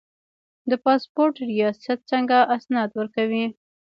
د پاسپورت ریاست څنګه اسناد ورکوي؟